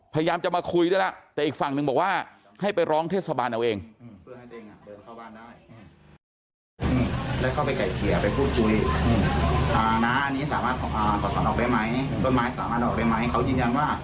พยายามจะมาคุยด้วยแล้วแต่อีกฝั่งหนึ่งบอกว่าให้ไปร้องเทศบาลเอาเอง